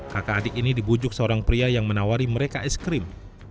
kakak adik ini dibujuk seorang pria yang menawari mereka es krim